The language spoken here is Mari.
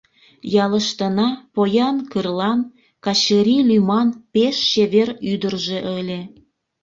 Ялыштына поян Кырлан Качыри лӱман пеш чевер ӱдыржӧ ыле.